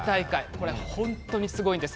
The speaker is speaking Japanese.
これは本当にすごいんです。